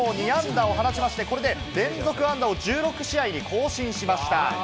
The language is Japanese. ２安打を放ちまして、これで連続安打を１６に更新しました。